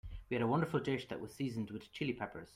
We had a wonderful dish that was seasoned with Chili Peppers.